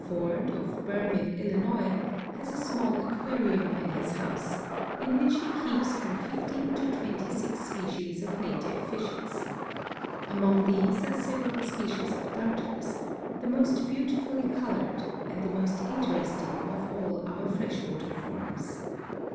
Ford, of Berwyn, Illinois, has a small aquarium, in his house, in which he keeps from fifteen to twenty six species of native fishes. Among these are several species of Darters, the most beautifully colored and the most interesting of all our fresh water forms.